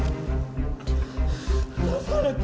刺された。